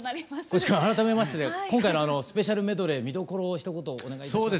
光一君改めまして今回のスペシャルメドレー見どころをひと言お願いいたします。